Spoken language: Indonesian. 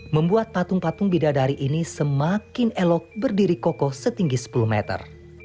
membuat patung patung bidadari ini semakin elok berdiri kokoh setinggi sepuluh meter